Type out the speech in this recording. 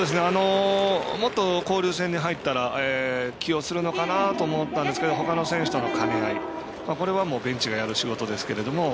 もっと交流戦に入ったら起用するのかなと思ったんですがほかの選手との兼ね合いこれはベンチがやる仕事ですけど。